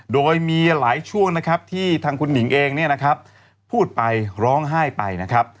โดยมีหลายช่วงนะครับที่ทางคุณหนิงเองเนี่ยนะครับพูดไปร้องไห้ไปนะครับ